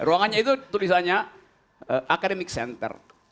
ruangannya itu tulisannya academic center